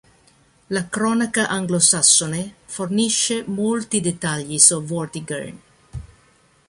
La "Cronaca anglosassone" fornisce molti dettagli su Vortigern.